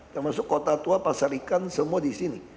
termasuk kota tua pasar ikan semua disini